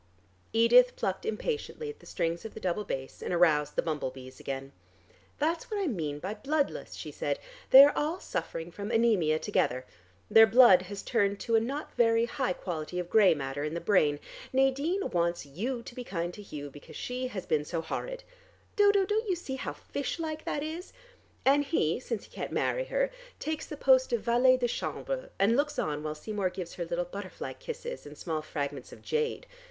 Edith plucked impatiently at the strings of the double bass, and aroused the bumblebees again. "That's what I mean by bloodless," she said. "They are all suffering from anemia together. Their blood has turned to a not very high quality of gray matter in the brain. Nadine wants you to be kind to Hugh, because she has been so horrid! Dodo, don't you see how fishlike that is? And he, since he can't marry her, takes the post of valet de chambre, and looks on while Seymour gives her little butterfly kisses and small fragments of jade.